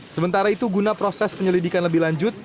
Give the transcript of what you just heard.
sementara itu guna proses penyelidikan lebih lanjut